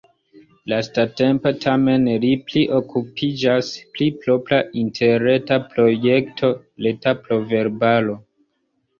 Lastatempe tamen li pli okupiĝas pri propra interreta projekto: reta proverbaro.